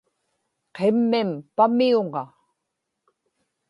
qimmim pamiuŋa